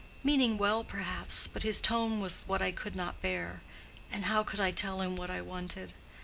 meaning well, perhaps. But his tone was what I could not bear; and how could I tell him what I wanted?